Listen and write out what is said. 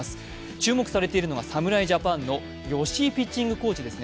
注目されているのが侍ジャパンの吉井ピッチングコーチです。